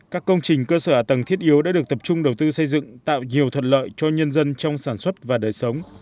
các công trình cơ sở ở tầng thiết yếu đã được tập trung đầu tư xây dựng tạo nhiều thuận lợi cho nhân dân trong sản xuất và đời sống